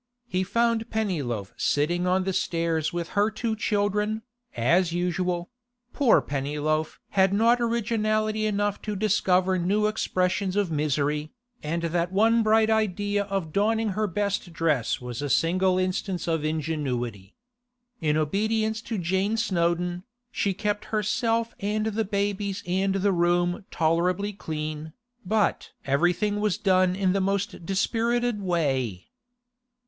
He found Pennyloaf sitting on the stairs with her two children, as usual; poor Pennyloaf had not originality enough to discover new expressions of misery, and that one bright idea of donning her best dress was a single instance of ingenuity. In obedience to Jane Snowdon, she kept herself and the babies and the room tolerably clean, but everything was done in the most dispirited way.